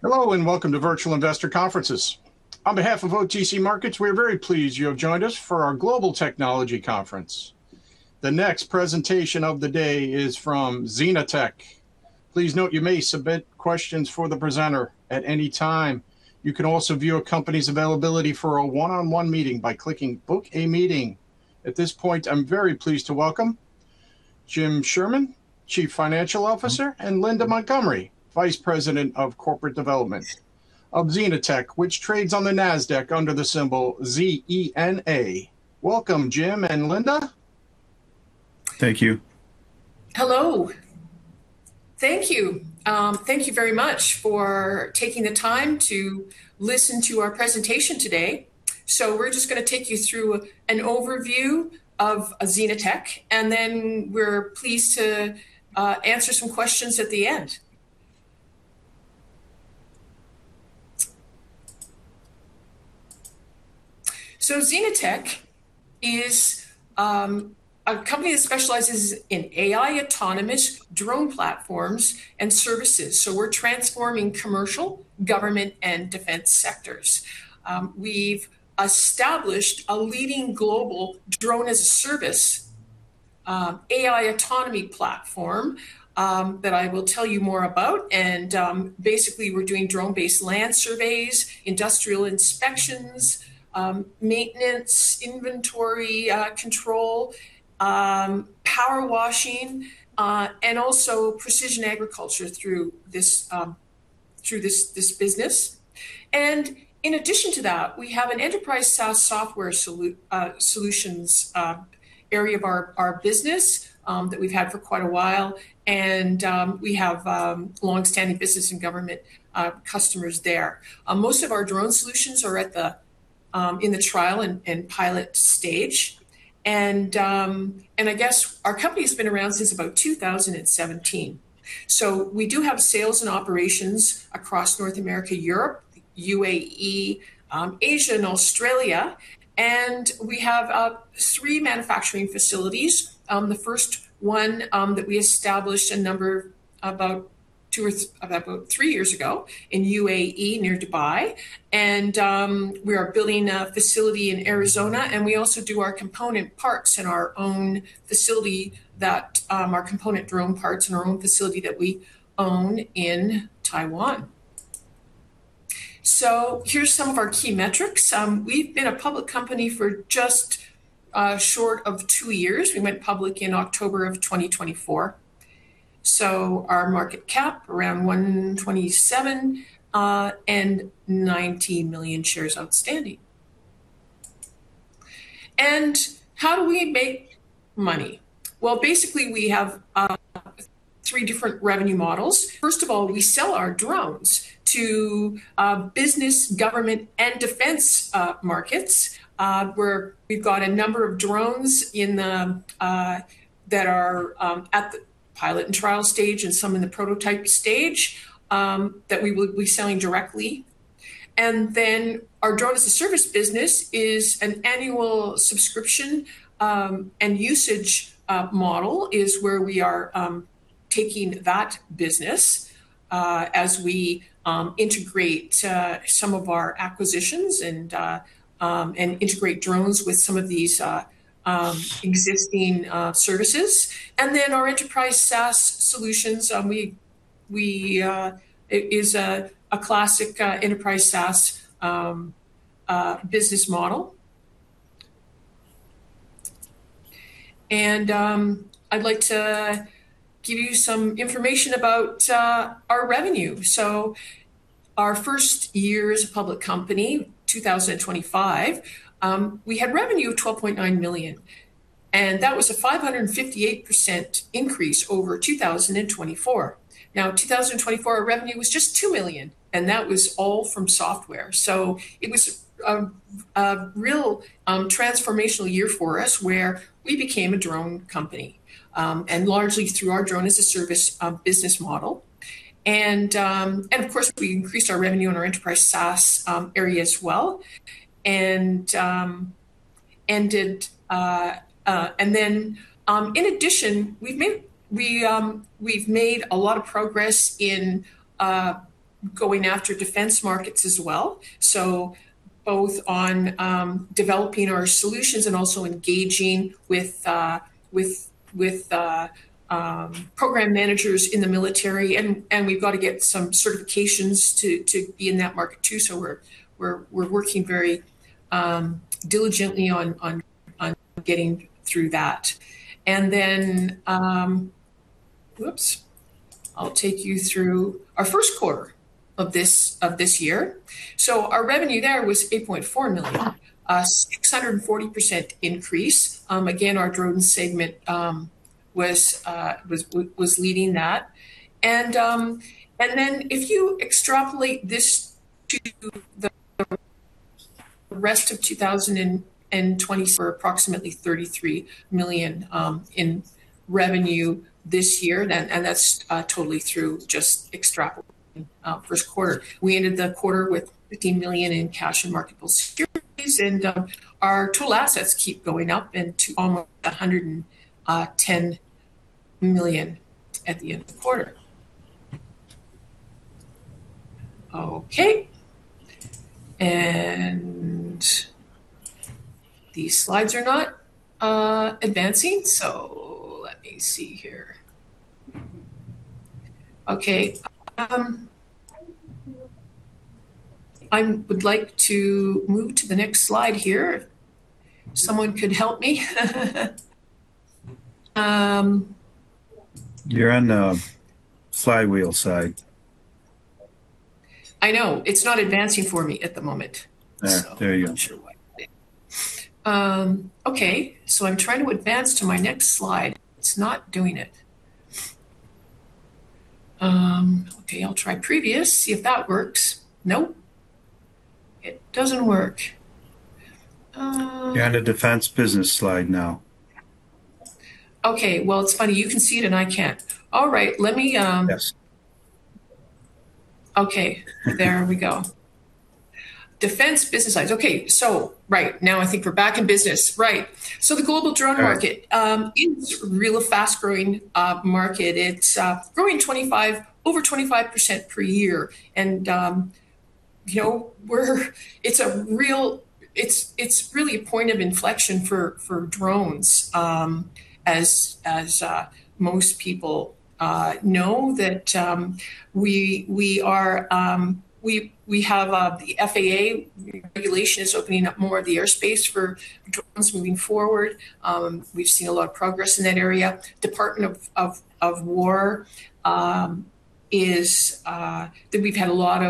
Hello, welcome to Virtual Investor Conferences. On behalf of OTC Markets, we're very pleased you have joined us for our Global Technology Conference. The next presentation of the day is from ZenaTech. Please note you may submit questions for the presenter at any time. You can also view a company's availability for a one-on-one meeting by clicking "Book a Meeting." At this point, I'm very pleased to welcome James Sherman, Chief Financial Officer, and Linda Montgomery, Vice President of Corporate Development of ZenaTech, which trades on the Nasdaq under the symbol ZENA. Welcome, James and Linda. Thank you. Hello. Thank you. Thank you very much for taking the time to listen to our presentation today. We're just going to take you through an overview of ZenaTech, then we're pleased to answer some questions at the end. ZenaTech is a company that specializes in AI autonomous drone platforms and services. We're transforming commercial, government, and defense sectors. We've established a leading global Drone-as-a-Service, AI autonomy platform, that I will tell you more about. Basically, we're doing drone-based land surveys, industrial inspections, maintenance, inventory control, power washing, and also precision agriculture through this business. In addition to that, we have an enterprise SaaS software solutions area of our business, that we've had for quite a while. We have longstanding business and government customers there. Most of our drone solutions are in the trial and pilot stage. I guess our company's been around since about 2017. We do have sales and operations across North America, Europe, UAE, Asia, and Australia. We have three manufacturing facilities. The first one that we established about three years ago in UAE near Dubai. We are building a facility in Arizona, and we also do our component drone parts in our own facility that we own in Taiwan. Here's some of our key metrics. We've been a public company for just short of two years. We went public in October of 2024. Our market cap around $127 million and 19 million shares outstanding. How do we make money? Well, basically we have three different revenue models. First of all, we sell our drones to business, government, and defense markets, where we've got a number of drones that are at the pilot and trial stage and some in the prototype stage, that we will be selling directly. Our Drone-as-a-Service business is an annual subscription, and usage model is where we are taking that business as we integrate some of our acquisitions and integrate drones with some of these existing services. Our enterprise SaaS solutions is a classic enterprise SaaS business model. I'd like to give you some information about our revenue. Our first year as a public company, 2025, we had revenue of $12.9 million, and that was a 558% increase over 2024. In 2024, our revenue was just $2 million, and that was all from software. It was a real transformational year for us where we became a drone company, largely through our Drone-as-a-Service business model. Of course, we increased our revenue on our enterprise SaaS area as well. In addition, we've made a lot of progress in going after defense markets as well, both on developing our solutions and also engaging with program managers in the military and we've got to get some certifications to be in that market too. We're working very diligently on getting through that. I'll take you through our first quarter of this year. Our revenue there was $8.4 million, a 640% increase. Again, our drone segment was leading that. If you extrapolate this to the rest of 2024, approximately $33 million in revenue this year. That's totally through just extrapolating first quarter. We ended the quarter with $15 million in cash and marketable securities, our total assets keep going up to almost $110 million at the end of the quarter. Okay. These slides are not advancing, so let me see here. Okay. I would like to move to the next slide here. If someone could help me. You're on the slide wheel side. I know. It's not advancing for me at the moment. There you are. I'm not sure why. Okay. I'm trying to advance to my next slide. It's not doing it. Okay, I'll try previous, see if that works. Nope. It doesn't work. You're on the defense business slide now. Okay. Well, it's funny. You can see it and I can't. All right. Yes. Okay. There we go. Defense business slides. Okay. Right, now I think we're back in business. Right. All right. Market is a real fast-growing market. It's growing over 25% per year. It's really a point of inflection for drones, as most people know that we have the FAA regulation is opening up more of the airspace for drones moving forward. We've seen a lot of progress in that area. Department of War, in U.S., we've had a lot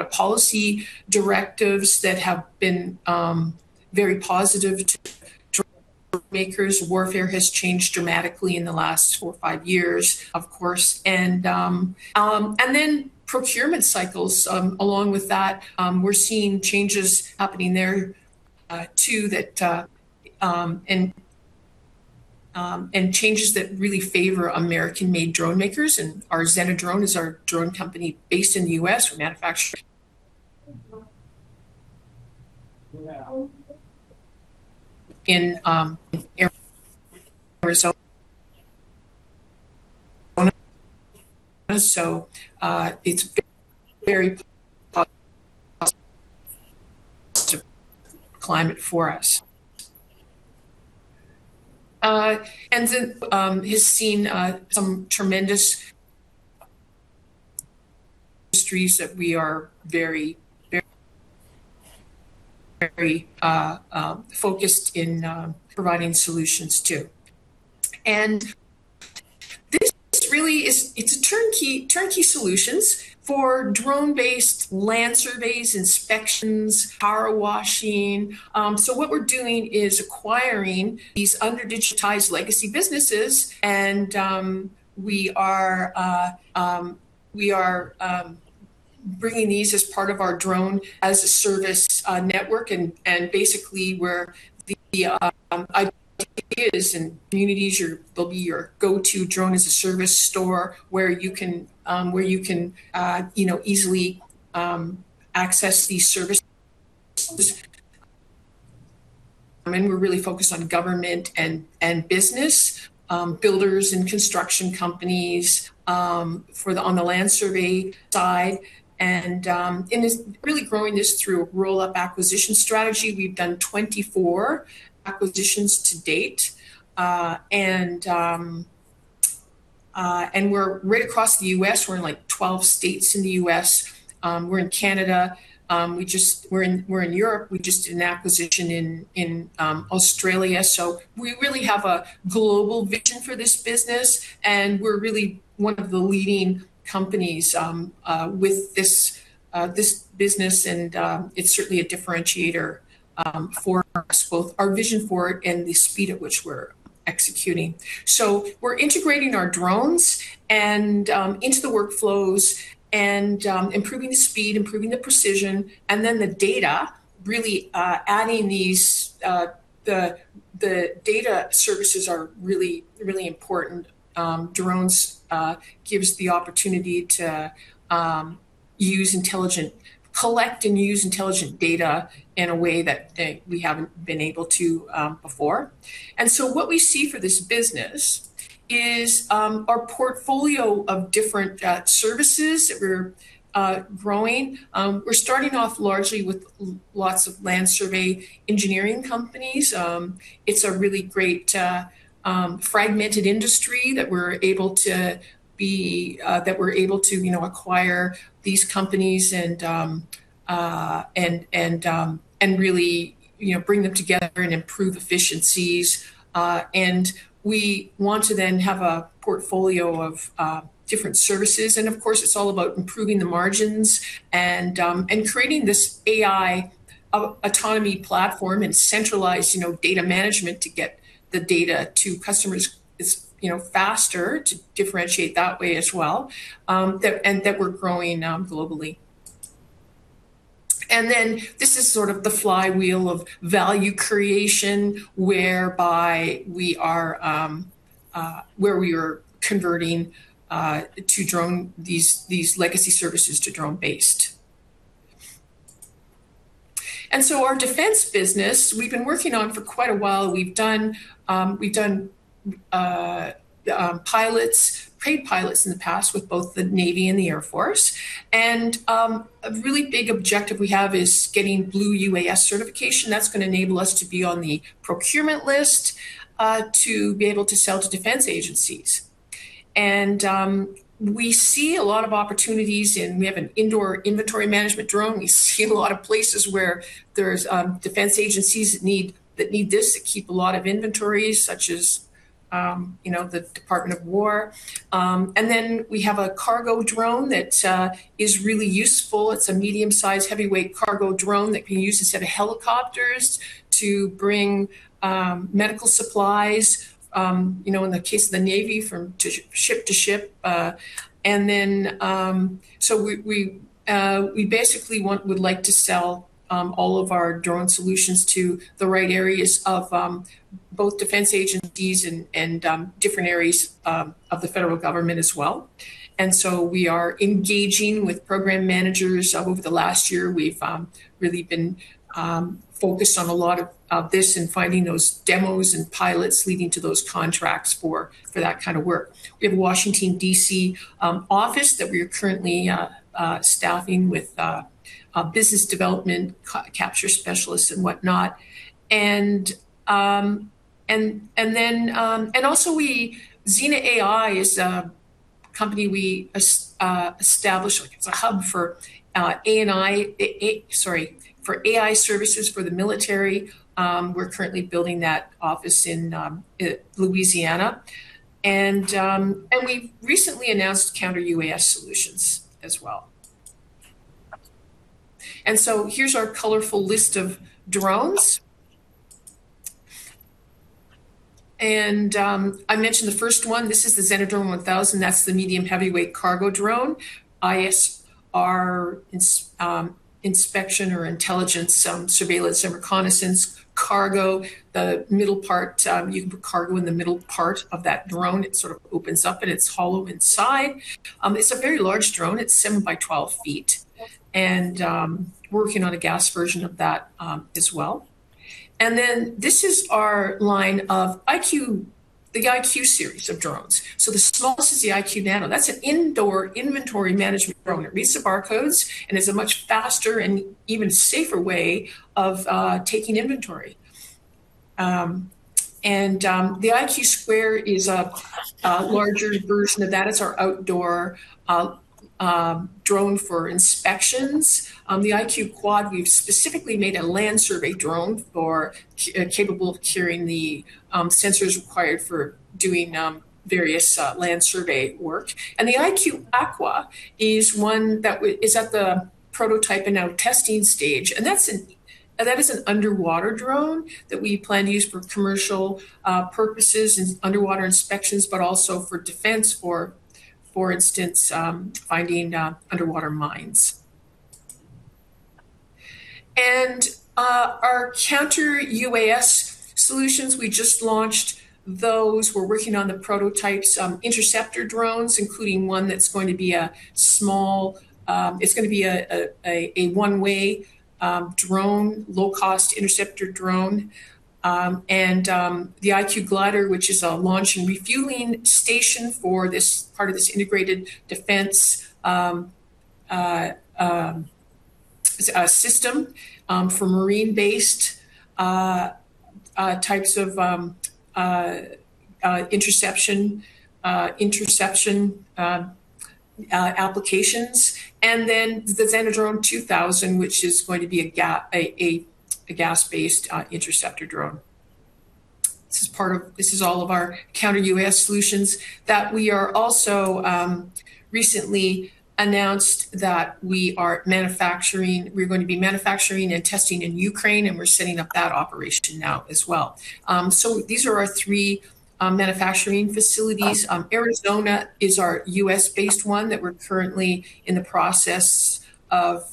of policy directives that have been very positive to drone makers. Warfare has changed dramatically in the last four or five years, of course. Procurement cycles along with that, we're seeing changes happening there too, changes that really favor American-made drone makers. Our ZenaDrone is our drone company based in the U.S. We manufacture in America, it's very positive climate for us. Has seen some tremendous industries that we are very focused in providing solutions to. This really it's a turnkey solutions for drone-based land surveys, inspections, power washing. We're doing is acquiring these under-digitized legacy businesses, and we are bringing these as part of our Drone-as-a-Service network, and basically where the idea is in communities, they'll be your go-to Drone-as-a-Service store where you can easily access these services. We're really focused on government and business, builders and construction companies, on the land survey side, and in this really growing this through roll-up acquisition strategy. We've done 24 acquisitions to date, and we're right across the U.S. We're in 12 states in the U.S. We're in Canada. We're in Europe. We just did an acquisition in Australia. We really have a global vision for this business, and we're really one of the leading companies with this business, and it's certainly a differentiator for us, both our vision for it and the speed at which we're executing. We're integrating our drones into the workflows and improving the speed, improving the precision, and then the data, really adding these. The data services are really, really important. Drones give us the opportunity to collect and use intelligent data in a way that we haven't been able to before. What we see for this business is our portfolio of different services that we're growing. We're starting off largely with lots of land survey engineering companies. It's a really great fragmented industry that we're able to acquire these companies and really bring them together and improve efficiencies. We want to then have a portfolio of different services. Of course, it's all about improving the margins and creating this AI autonomy platform and centralized data management to get the data to customers faster, to differentiate that way as well, and that we're growing now globally. This is sort of the flywheel of value creation whereby we are converting these legacy services to drone-based. Our defense business, we've been working on for quite a while. We've done paid pilots in the past with both the Navy and the Air Force. A really big objective we have is getting Blue UAS certification. That's going to enable us to be on the procurement list to be able to sell to defense agencies. We see a lot of opportunities in. We have an indoor inventory management drone. We see a lot of places where there's defense agencies that need this to keep a lot of inventories, such as the Department of War. Then we have a cargo drone that is really useful. It's a medium-sized heavyweight cargo drone that can be used instead of helicopters to bring medical supplies, in the case of the Navy, from ship to ship. We basically would like to sell all of our drone solutions to the right areas of both defense agencies and different areas of the federal government as well. We are engaging with program managers. Over the last year, we've really been focused on a lot of this and finding those demos and pilots leading to those contracts for that kind of work. We have a Washington, D.C., office that we are currently staffing with business development capture specialists and whatnot. Also, Zena AI is a company we established. It's a hub for AI services for the military. We're currently building that office in Louisiana. We've recently announced Counter-UAS solutions as well. Here's our colorful list of drones. I mentioned the first one. This is the ZenaDrone 1000. That's the medium heavyweight cargo drone, ISR, inspection or intelligence, surveillance and reconnaissance cargo. You can put cargo in the middle part of that drone. It sort of opens up, and it's hollow inside. It's a very large drone. It's 7 by 12 feet, and we're working on a gas version of that as well. This is our line of the IQ Series of drones. The smallest is the IQ Nano. That's an indoor inventory management drone. It reads the barcodes and is a much faster and even safer way of taking inventory. The IQ Square is a larger version of that. It's our outdoor drone for inspections. The IQ Quad, we've specifically made a land survey drone capable of carrying the sensors required for doing various land survey work. The IQ Aqua is one that is at the prototype and now testing stage. That is an underwater drone that we plan to use for commercial purposes and underwater inspections, but also for defense, for instance, finding underwater mines. Our Counter-UAS solutions, we just launched those. We're working on the prototypes, interceptor drones, including one that's going to be a one-way drone, low-cost interceptor drone. The IQ Glider, which is a launch and refueling station for part of this integrated defense system for marine-based types of interception applications. The ZenaDrone 2000, which is going to be a gas-based interceptor drone. This is all of our Counter-UAS solutions that we are also recently announced that we're going to be manufacturing and testing in Ukraine, and we're setting up that operation now as well. These are our three manufacturing facilities. Arizona is our U.S.-based one that we're currently in the process of.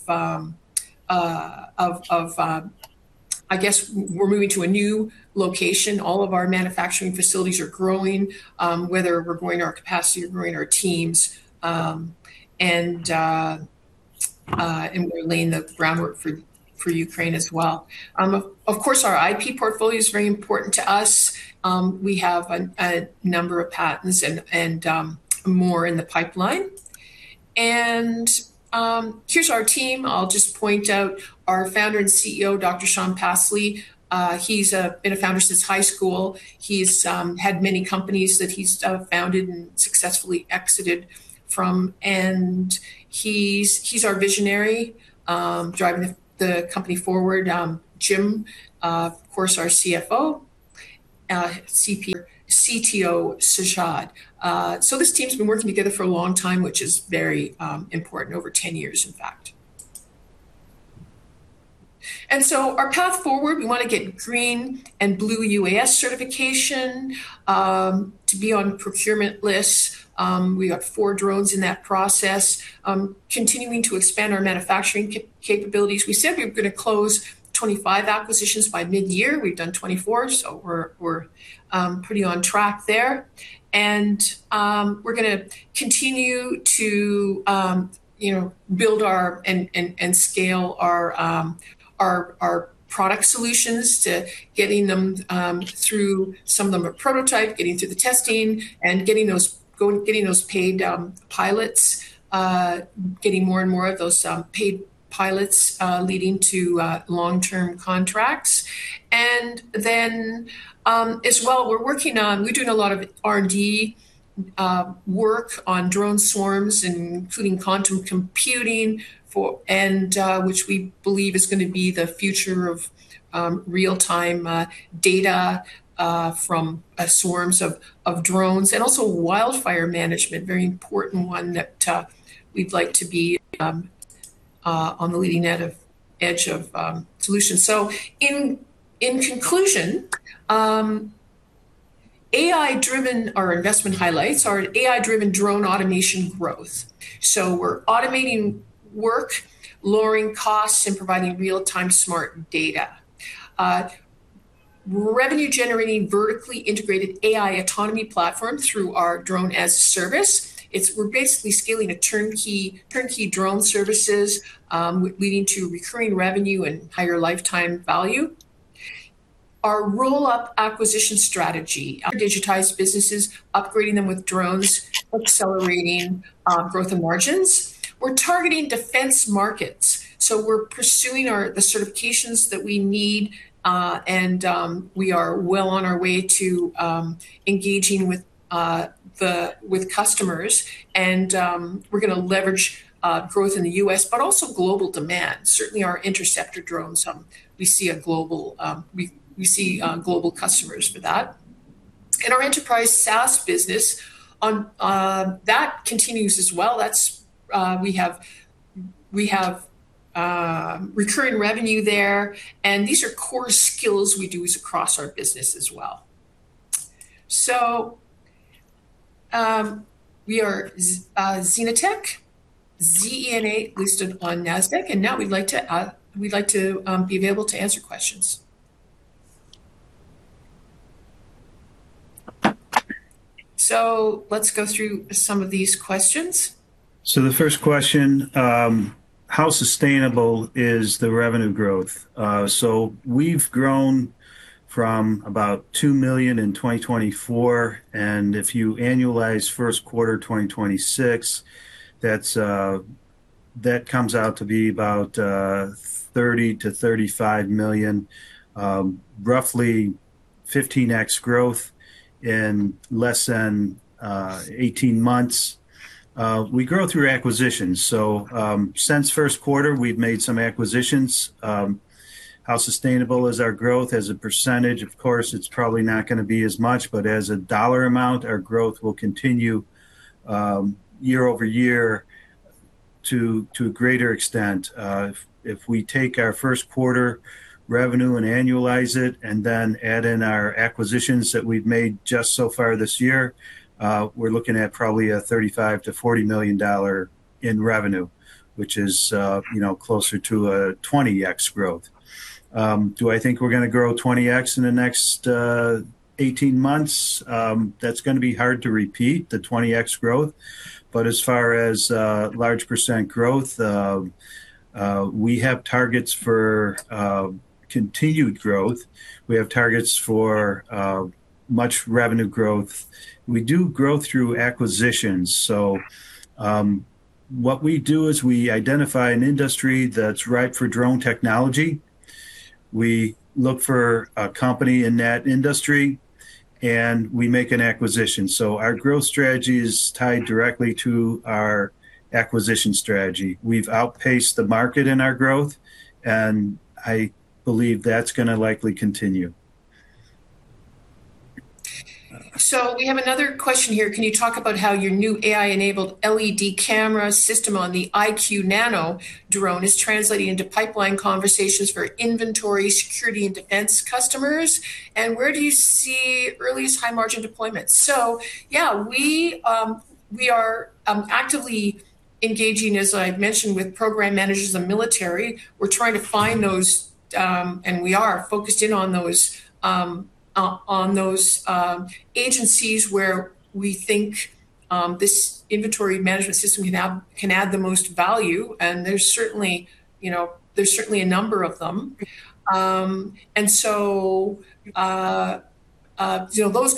I guess we're moving to a new location. All of our manufacturing facilities are growing, whether we're growing our capacity or growing our teams. We're laying the groundwork for Ukraine as well. Of course, our IP portfolio is very important to us. We have a number of patents and more in the pipeline. Here's our team. I'll just point out our founder and CEO, Dr. Shaun Passley. He's been a founder since high school. He's had many companies that he's founded and successfully exited from, and he's our visionary, driving the company forward. Jim, of course, our CFO. CTO, Sajjad. This team's been working together for a long time, which is very important, over 10 years, in fact. Our path forward, we want to get Green and Blue UAS certification to be on procurement lists. We got four drones in that process. Continuing to expand our manufacturing capabilities. We said we were going to close 25 acquisitions by mid-year. We've done 24, so we're pretty on track there. We're going to continue to build and scale our product solutions to getting them through. Some of them are prototype, getting through the testing, and getting those paid pilots, getting more and more of those paid pilots leading to long-term contracts. As well, we're doing a lot of R&D work on drone swarms, including quantum computing, which we believe is going to be the future of real-time data from swarms of drones. Also wildfire management, very important one that we'd like to be on the leading edge of solutions. In conclusion, our investment highlights are an AI-driven drone automation growth. We're automating work, lowering costs, and providing real-time smart data. Revenue generating vertically integrated AI autonomy platform through our Drone-as-a-Service. We're basically scaling a turnkey drone services, leading to recurring revenue and higher lifetime value. Our roll-up acquisition strategy. Under digitized businesses, upgrading them with drones, accelerating growth and margins. We're targeting defense markets. We're pursuing the certifications that we need, and we are well on our way to engaging with customers. We're going to leverage growth in the U.S., but also global demand. Certainly our Interceptor drones, we see global customers for that. Our enterprise SaaS business, that continues as well. We have recurring revenue there, and these are core skills we do is across our business as well. We are ZenaTech, ZENA, listed on Nasdaq, now we'd like to be available to answer questions. Let's go through some of these questions. The first question, how sustainable is the revenue growth? We've grown from about $2 million in 2024, and if you annualize first quarter 2026, that comes out to be about $30 million-$35 million. Roughly 15x growth in less than 18 months. We grow through acquisitions. Since first quarter, we've made some acquisitions. How sustainable is our growth as a percentage? Of course, it's probably not going to be as much. As a dollar amount, our growth will continue year-over-year to a greater extent. If we take our first quarter revenue and annualize it and then add in our acquisitions that we've made just so far this year, we're looking at probably a $35 million-$40 million in revenue, which is closer to a 20x growth. Do I think we're going to grow 20x in the next 18 months? That's going to be hard to repeat, the 20x growth. As far as large percent growth, we have targets for continued growth. We have targets for much revenue growth. We do growth through acquisitions. What we do is we identify an industry that's right for drone technology. We look for a company in that industry, and we make an acquisition. Our growth strategy is tied directly to our acquisition strategy. We've outpaced the market in our growth, I believe that's going to likely continue. We have another question here. Can you talk about how your new AI-enabled LED camera system on the IQ Nano drone is translating into pipeline conversations for inventory, security, and defense customers? Where do you see earliest high margin deployments? Yeah, we are actively engaging, as I mentioned, with program managers in the military. We're trying to find those. We are focused in on those agencies where we think this inventory management system can add the most value. There's certainly a number of them. Those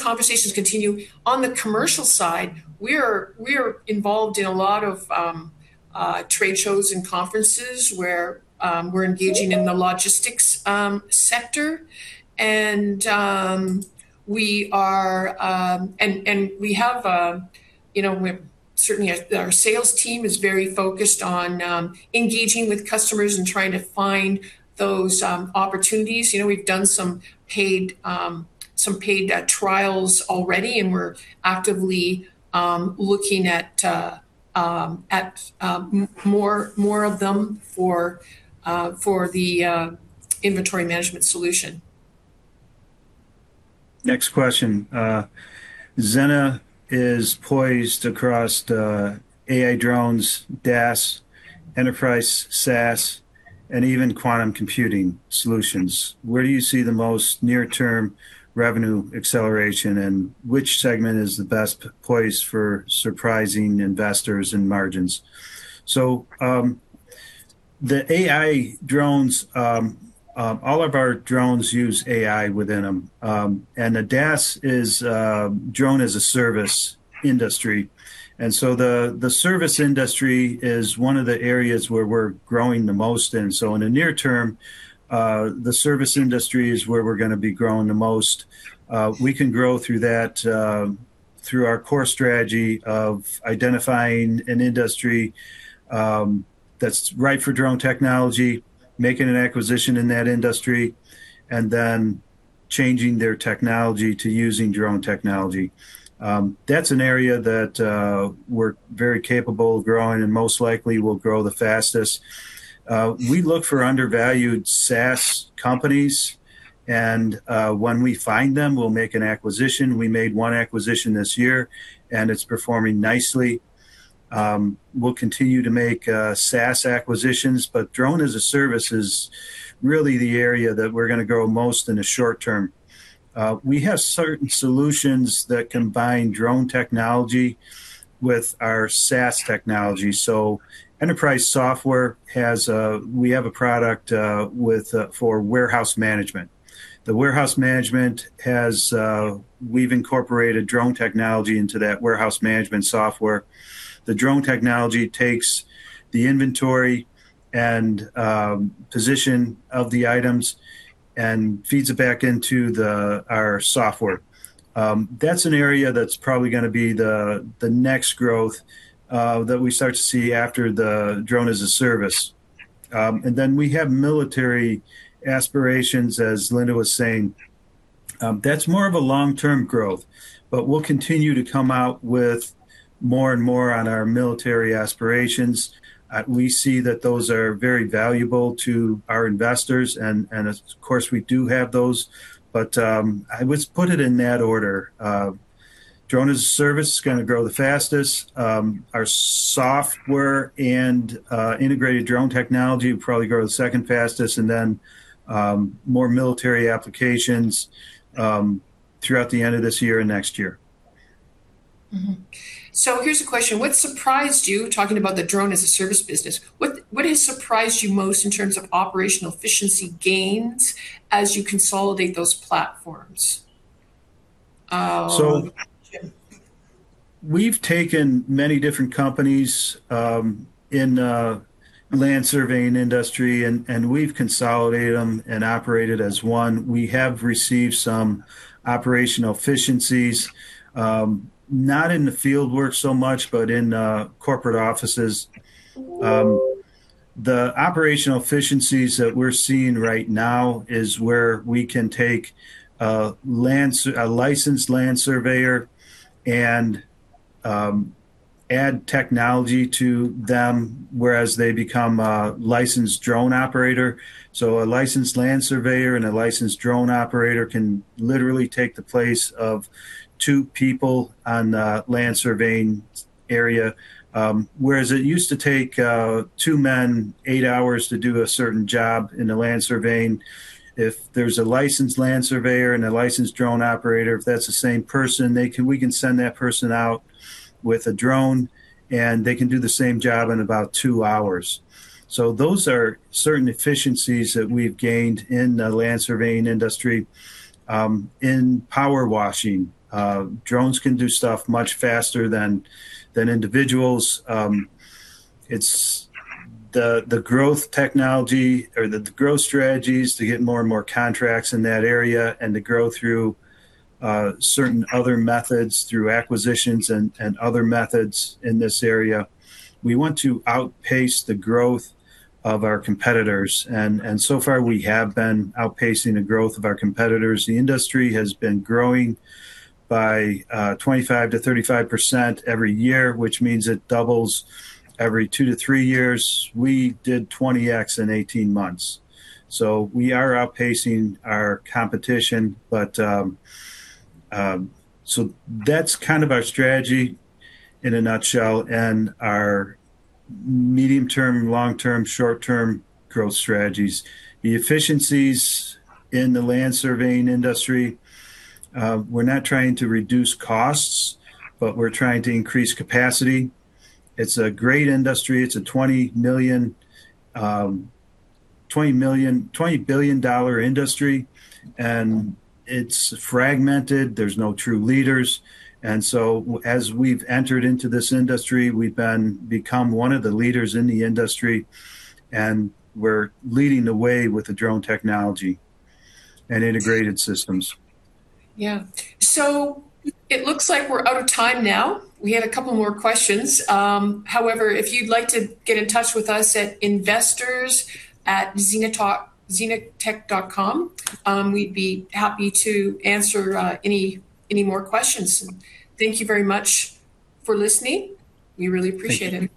conversations continue. On the commercial side, we're involved in a lot of trade shows and conferences where we're engaging in the logistics sector. We have certainly, our sales team is very focused on engaging with customers and trying to find those opportunities. We've done some paid trials already. We're actively looking at more of them for the inventory management solution. Next question. ZENA is poised across the AI drones, DaaS, enterprise SaaS, and even quantum computing solutions. Where do you see the most near-term revenue acceleration? Which segment is the best poised for surprising investors and margins? The AI drones, all of our drones use AI within them. The DaaS is Drone-as-a-Service industry. The service industry is one of the areas where we're growing the most in. In the near term, the service industry is where we're going to be growing the most. We can grow through that through our core strategy of identifying an industry that's right for drone technology, making an acquisition in that industry, and then changing their technology to using drone technology. That's an area that we're very capable of growing and most likely will grow the fastest. We look for undervalued SaaS companies and when we find them, we'll make an acquisition. We made one acquisition this year, and it's performing nicely. We'll continue to make SaaS acquisitions, but Drone-as-a-Service is really the area that we're going to grow most in the short term. We have certain solutions that combine drone technology with our SaaS technology. Enterprise software, we have a product for warehouse management. The warehouse management, we've incorporated drone technology into that warehouse management software. The drone technology takes the inventory and position of the items and feeds it back into our software. That's an area that's probably going to be the next growth that we start to see after the Drone-as-a-Service. We have military aspirations, as Linda was saying. That's more of a long-term growth. We'll continue to come out with more and more on our military aspirations. We see that those are very valuable to our investors and of course, we do have those. I would put it in that order. Drone as a Service is going to grow the fastest. Our software and integrated drone technology will probably grow the second fastest, and then more military applications throughout the end of this year and next year. Here's a question. What surprised you, talking about the Drone as a Service business, what has surprised you most in terms of operational efficiency gains as you consolidate those platforms? We've taken many different companies in land surveying industry, and we've consolidated them and operated as one. We have received some operational efficiencies. Not in the field work so much, but in corporate offices. The operational efficiencies that we're seeing right now is where we can take a licensed land surveyor and add technology to them, whereas they become a licensed drone operator. A licensed land surveyor and a licensed drone operator can literally take the place of two people on the land surveying area. Whereas it used to take two men eight hours to do a certain job in the land surveying, if there's a licensed land surveyor and a licensed drone operator, if that's the same person, we can send that person out with a drone, and they can do the same job in about two hours. Those are certain efficiencies that we've gained in the land surveying industry. In power washing, drones can do stuff much faster than individuals. It's the growth technology or the growth strategies to get more and more contracts in that area and to grow through certain other methods through acquisitions and other methods in this area. We want to outpace the growth of our competitors, and so far, we have been outpacing the growth of our competitors. The industry has been growing by 25%-35% every year, which means it doubles every two to three years. We did 20x in 18 months. We are outpacing our competition. That's kind of our strategy in a nutshell and our medium-term, long-term, short-term growth strategies. The efficiencies in the land surveying industry, we're not trying to reduce costs, but we're trying to increase capacity. It's a great industry. It's a $20 billion industry, and it's fragmented. There's no true leaders. As we've entered into this industry, we've become one of the leaders in the industry, and we're leading the way with the drone technology and integrated systems. Yeah. It looks like we're out of time now. We had a couple more questions. However, if you'd like to get in touch with us at investors@zenatech.com, we'd be happy to answer any more questions. Thank you very much for listening. We really appreciate it.